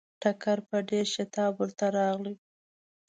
ټکر په ډېر شتاب ورته راغی.